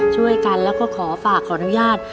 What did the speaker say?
ช่วยกันแล้วก็ขอฝากขออนุญาต